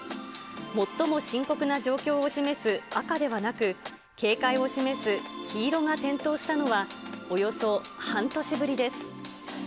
最も深刻な状況を示す赤ではなく、警戒を示す黄色が点灯したのは、およそ半年ぶりです。